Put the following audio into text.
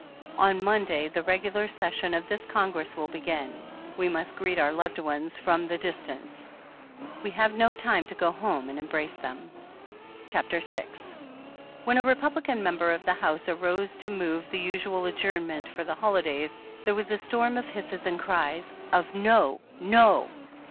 On Monday, the regular session of this Congress will begin. We must greet our loved ones from the dis tance. We have no time to go home and embrace them." CHAPTER VI. When a Republican member of the House arose to move the usual adjournment for the holidays, there was a storm of hisses and cries of No, no